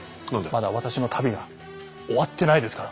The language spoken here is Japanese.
まだ私の旅が終わってないですから。